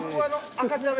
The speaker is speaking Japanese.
赤ちゃん。